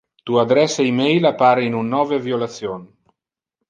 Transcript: Tu adresse email appare in un nove violation.